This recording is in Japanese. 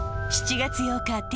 ７月８日